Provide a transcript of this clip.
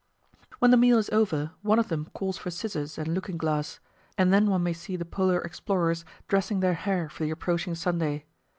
When the meal is over, one of them calls for scissors and looking glass, and then one may see the Polar explorers dressing their hair for the approaching Sunday.